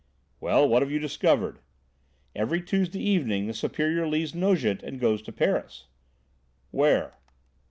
"Well, what have you discovered?" "Every Tuesday evening the Superior leaves Nogent and goes to Paris." "Where?"